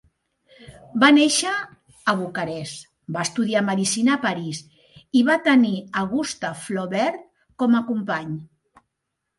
Va néixer a Bucarest, va estudiar medicina a París i va tenir a Gustave Flaubert com a company.